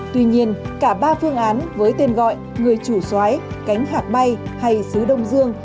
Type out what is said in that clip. tuy nhiên cả ba phương án với tên gọi người chủ xoái cánh khạc bay hay xứ đông dương